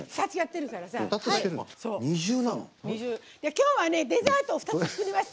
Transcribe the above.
今日はデザートを２つ作ります。